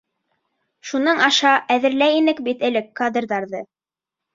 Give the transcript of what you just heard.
Шуның аша әҙерләй инек бит элек кадрҙарҙы.